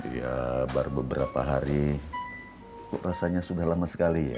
ya baru beberapa hari rasanya sudah lama sekali ya